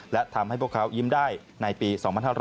และทำให้พวกเขายิ้มได้ในปี๒๕๖๐